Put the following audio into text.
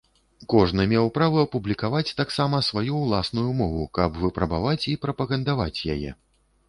Кожны меў права публікаваць таксама сваю ўласную мову, каб выпрабаваць і прапагандаваць яе.